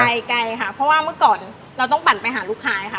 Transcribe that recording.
ไกลค่ะเพราะว่าเมื่อก่อนเราต้องปั่นไปหาลูกค้าค่ะ